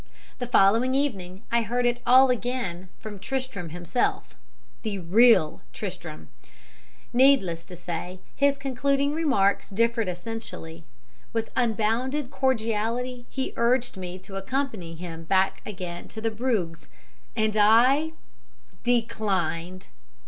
The following evening I heard it all again from Tristram himself the real Tristram. Needless to say, his concluding remarks differed essentially. With unbounded cordiality he urged me to accompany him back again to Bruges, and I declined!